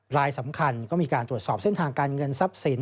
รายสำคัญก็มีการตรวจสอบเส้นทางการเงินทรัพย์สิน